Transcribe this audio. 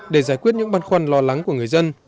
để giải quyết những băn khoăn lo lắng của người dân